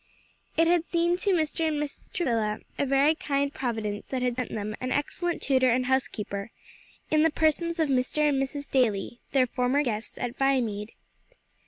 It had seemed to Mr. and Mrs. Travilla, a very kind Providence that had sent them an excellent tutor and housekeeper, in the persons of Mr. and Mrs. Daly, their former guests at Viamede.